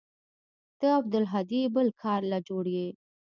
ته او عبدالهادي بل كار له جوړ يې.